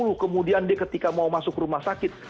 khairul enam puluh kemudian dia ketiga mau masuk rumah sakit